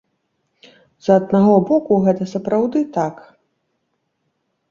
З аднаго боку, гэта сапраўды так.